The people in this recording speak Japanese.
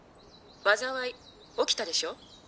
災い起きたでしょ？